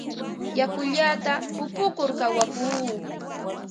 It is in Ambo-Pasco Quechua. Yakullata upukur kawakuu.